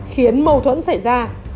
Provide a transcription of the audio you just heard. khiến mâu thuẫn xảy ra